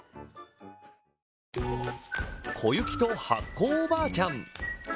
「小雪と発酵おばあちゃん」。